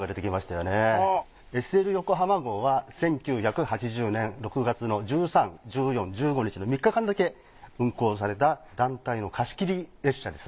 よこはま号は１９８０年６月の１３１４１５日の３日間だけ運行された団体の貸し切り列車です。